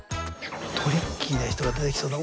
トリッキーな人が出てきそうな。